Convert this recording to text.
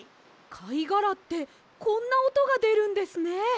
かいがらってこんなおとがでるんですね！